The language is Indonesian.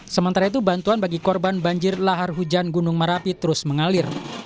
sementara itu bantuan bagi korban banjir lahar hujan gunung merapi terus mengalir